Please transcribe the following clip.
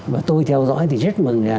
và tôi theo dõi thì rất mừng là